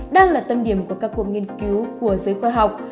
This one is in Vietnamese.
đang là tâm điểm của các cuộc nghiên cứu của giới hạn